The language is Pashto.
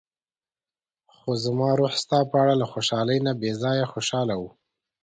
خو زما روح ستا په اړه له خوشحالۍ نه بې ځايه خوشاله و.